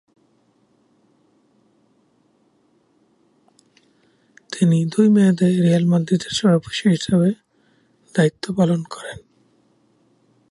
তিনি দুই মেয়াদে রিয়াল মাদ্রিদের সভাপতি হিসেবে দায়িত্ব পালন করেন।